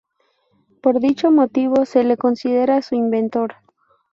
Por dicho motivo se le considera su inventor.